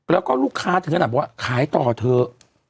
แล้วก็ลูกค้าถึงขนาดบอกว่าขายต่อเถอะ